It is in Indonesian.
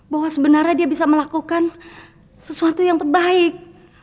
bahwa sebenarnya dia bisa melakukan sesuatu yang terbaik